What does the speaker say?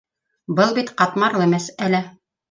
Был бик ҡатмарлы мәсьәлә.